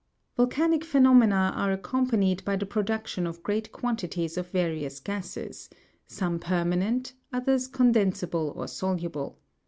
Volcanic phenomena are ac companied by the production of great quantities of various gases, some permanent, others condensable or soluble.